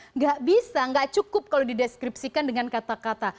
enggak bisa enggak cukup kalau dideskripsikan dengan kata kata